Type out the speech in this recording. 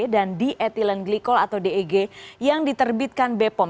dan di ethylene glycol atau deg yang diterbitkan bepom